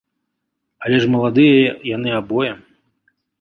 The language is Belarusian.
Але ж маладыя яны абое.